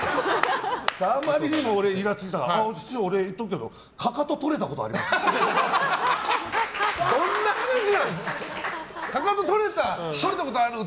あまりにも、いらついたから俺、言っておくけどかかと、とれたことありますって。